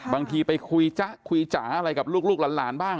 บางทีไปคุยจ๊ะคุยจ๋าอะไรกับลูกหลานบ้าง